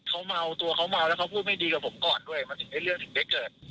เขาเมาตัวเขาเมาแล้วเขาพูดไม่ดีกับผมก่อนด้วยมันถึงได้เรื่องถึงได้เกิด